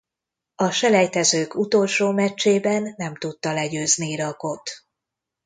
A selejtezők utolsó meccsében nem tudta legyőzni Irakot.